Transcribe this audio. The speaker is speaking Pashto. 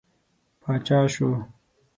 پاچا شو.